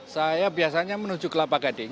saya biasanya menuju kelapa gading